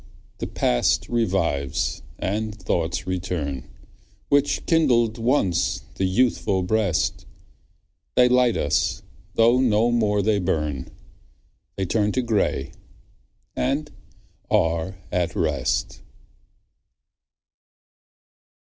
The past revives, and thoughts return, Which kindled once the youthful breast; They light us, though no more they burn, They turn to grey and are at rest.